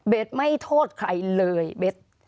ไม่โทษใครเลยเบส